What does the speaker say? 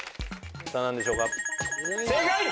さぁ何でしょうか？